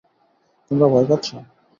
তোমরা ভয় পাচ্ছ।